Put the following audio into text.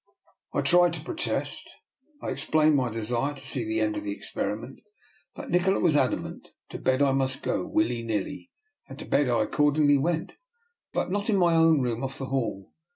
I tried to protest: I explained my desire to see the end of the experiment; but Nikola was adamant. To bed I must go, willy nilly; and to bed I accordingly went, but not in my own room off the hall.